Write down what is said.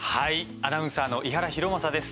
アナウンサーの伊原弘将です。